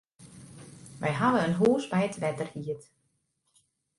Wy hawwe in hûs by it wetter hierd.